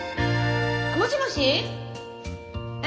もしもし？え？